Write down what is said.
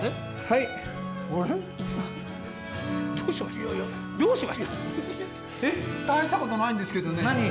いやいやえっ大したことないんですけどね何？